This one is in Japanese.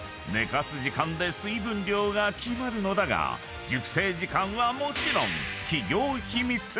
［寝かす時間で水分量が決まるのだが熟成時間はもちろん］